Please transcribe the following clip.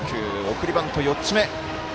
送りバント、４つ目。